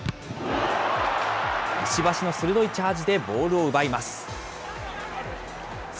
石橋の鋭いチャージでボールを奪います。